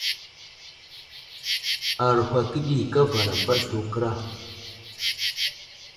Aruhw akəɗi kava napaɗ slu kəra.